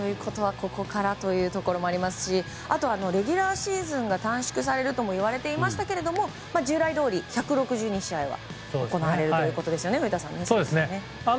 ここからというところもありますしあとは、レギュラーシーズンが短縮されるともいわれていましたが従来どおり１６２試合は行われるということですね。